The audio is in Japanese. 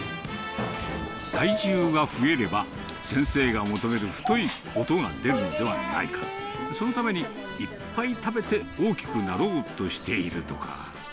体重が増えれば、先生が求める太い音が出るんではないか、そのために、いっぱい食べて大きくなろうとしているとか。